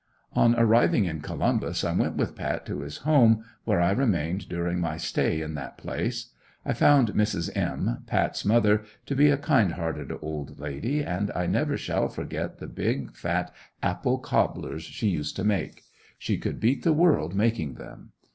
On arriving in Columbus I went with Pat to his home where I remained during my stay in that place. I found Mrs. M., Pat's mother, to be a kind hearted old lady, and I never shall forget the big, fat apple cobblers she used to make; she could beat the world making them.